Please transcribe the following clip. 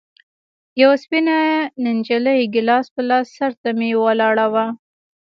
يوه سپينه نجلۍ ګيلاس په لاس سر ته مې ولاړه وه.